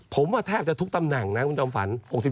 ผมว่าแทบจะทุกตำแหน่งนะคุณจอมฝัน